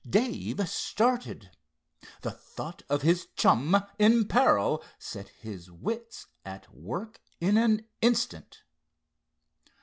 Dave started. The thought of his chum in peril set his wits at work in an instant.